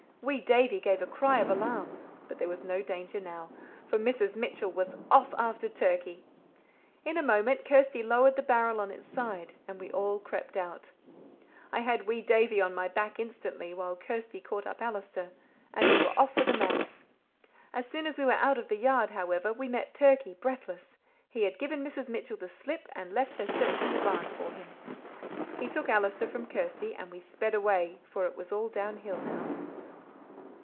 Wee Davie gave a cry of alarm, but there was no danger now, for Mrs. Mitchell was off after Turkey. In a moment, Kirsty lowered the barrel on its side, and we all crept out. I had wee Davie on my back instantly, while Kirsty caught up Allister, and we were off for the manse. As soon as we were out of the yard, however, we met Turkey, breathless. He had given Mrs. Mitchell the slip, and left her searching the barn for him. He took Allister from Kirsty, and we sped away, for it was all downhill now.